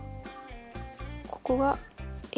ここがＨ。